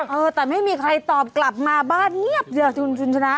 เออแต่ไม่มีใครตอบกลับมาบ้านเงียบเดียวคุณคุณชนะ